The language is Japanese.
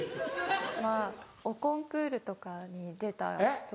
まぁおコンクールとかに出た時。